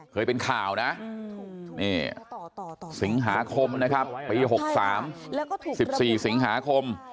เคยเป็นข่าวนะสิงหาคมนะครับปี๖๓๑๔สิงหาคม